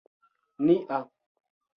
nia